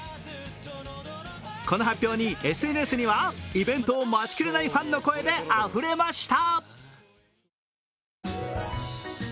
この発表にＳＮＳには、イベントを待ちきれないファンの声であふれました。